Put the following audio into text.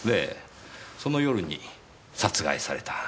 その夜に殺害された。